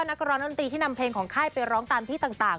นักร้องดนตรีที่นำเพลงของค่ายไปร้องตามที่ต่าง